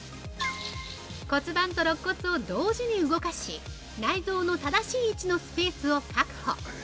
◆骨盤とろっ骨を同時に動かし内臓の正しい位置のスペースを確保！